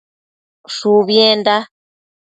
Shubienda